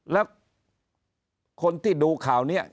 แล้วคนที่ดูข่าวนี้